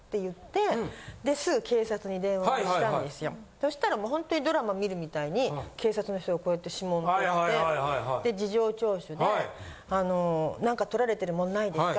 そしたらもうホントにドラマ見るみたいに警察の人がこうやって指紋取って事情聴取で何か盗られてるものないですか？